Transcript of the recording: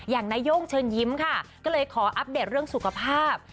อย่างนาย่งเชิญยิ้มค่ะก็เลยขออัปเดตเรื่องสุขภาพ